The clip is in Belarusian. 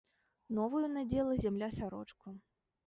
Новую надзела зямля сарочку.